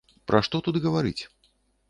Пра што тут гаварыць?